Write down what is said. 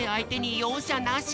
ようしゃなしや。